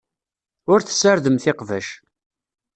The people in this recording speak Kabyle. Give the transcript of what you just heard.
Ur tessardemt iqbac.